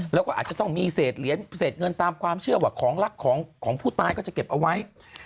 แล้วก็อาจจะต้องมีเศษเหรียญเศษเงินตามความเชื่อว่าของรักของผู้ตายก็จะเก็บเอาไว้